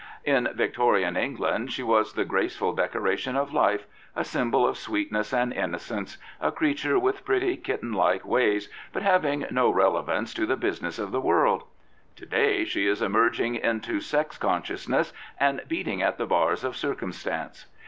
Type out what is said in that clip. In Victorian England she was the graceful decoration of life, a symbol of sweetness and innocence, a creature with pretty, kittenlike ways, but having no relevance to the business of the world. To day she is emerging into sex consciousness and beating at the bars of circumstance.